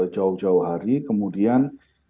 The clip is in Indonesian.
jauh jauh hari kemudian